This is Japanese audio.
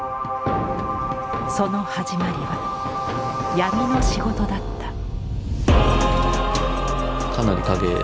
その始まりは闇の仕事だった。